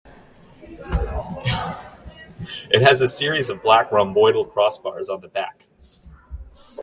It has a series of black rhomboidal cross-bars on the back.